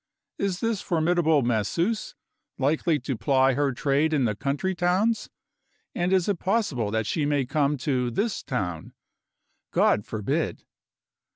Is this formidable Masseuse likely to ply her trade in the country towns? And is it possible that she may come to this town? God forbid!